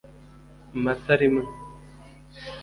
Mata l